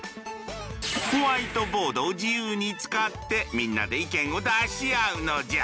ホワイトボードを自由に使ってみんなで意見を出し合うのじゃ。